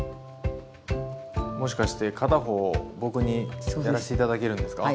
もしかして片方を僕にやらして頂けるんですか？